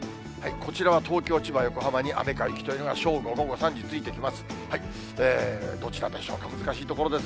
こちらは東京、千葉、横浜に雨か雪というのが正午、午後３時ついてきます。